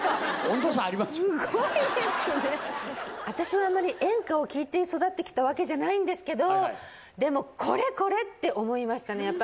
私はあまり演歌を聴いて育ってきたわけじゃないんですけどでも「コレコレ！」って思いましたね。